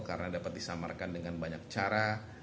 karena dapat disamarkan dengan banyak cara